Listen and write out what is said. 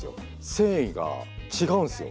繊維が違うんですよ